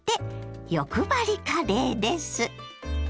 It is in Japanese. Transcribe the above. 欲張りカレーです。